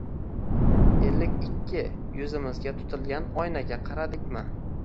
«Ellik ikki» – yuzimizga tutilgan oynaga qaradikmi?